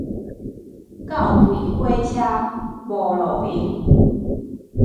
狗吠火車，無路用